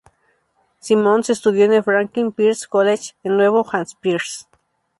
Simmons estudió en el Franklin Pierce College, en Nuevo Hampshire.